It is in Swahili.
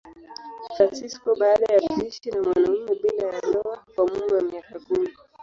Fransisko baada ya kuishi na mwanamume bila ya ndoa kwa muda wa miaka kumi.